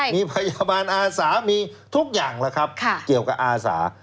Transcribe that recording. มีพยาบาลอาสามีทุกอย่างแล้วครับเกี่ยวกับอาสา